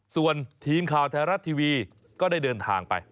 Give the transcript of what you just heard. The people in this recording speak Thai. ส่วนทีมข่าวไทยรัฐทีวีก็ได้เดินทางไป